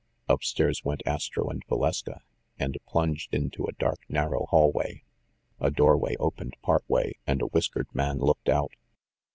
Up stairs went Astro and Valeska, and plunged into a dark narrow hallway. A doorway opened part way and a whiskered man looked out.